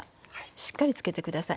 しっかりつけて下さい。